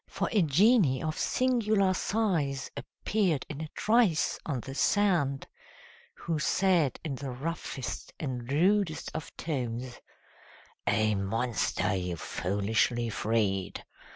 For a genie of singular size Appeared in a trice on the sand, Who said in the roughest and rudest of tones: "A monster you've foolishly freed!